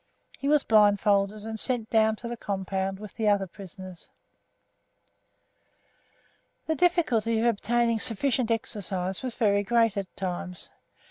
He was blindfolded and sent down to the compound with the other prisoners. The difficulty of obtaining sufficient exercise was very great at times.